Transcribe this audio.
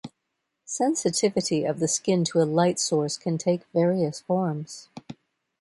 Sensitivity of the skin to a light source can take various forms.